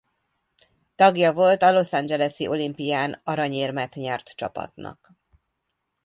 Tagja volt a Los Angeles-i olimpián aranyérmet nyert csapatnak.